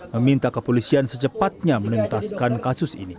meminta kepolisian secepatnya menuntaskan kasus ini